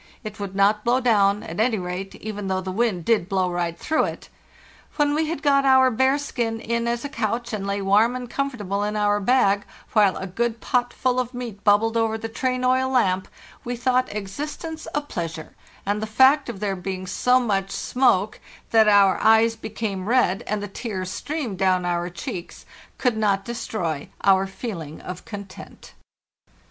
It would not blow down, at any rate, even though the wind did blow nght through it. When we had got our bearskin in as a couch and lay warm and comfortable in our bag, while a good potful of meat bubbled over the train oil lamp, we thought existence a pleasure; and the fact of there being so much smoke that our eyes became red and the tears streamed down our cheeks could not destroy our feeling of content.